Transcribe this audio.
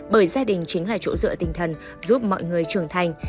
bởi gia đình chính là chỗ dựa tinh thần giúp mọi người trưởng thành